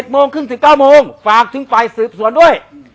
๗โมง๑๙โมงฝากถึงไฟสืบส่วนด้วย